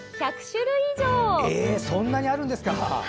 そんなにあるんですか。